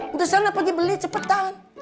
udah sana pergi beli cepetan